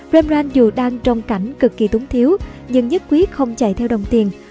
ramran dù đang trong cảnh cực kỳ túng thiếu nhưng nhất quyết không chạy theo đồng tiền